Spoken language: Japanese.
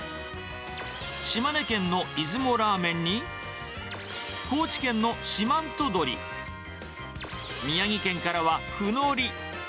島根県の出雲ラーメンに、高知県の四万十鶏、宮城県からはふのり。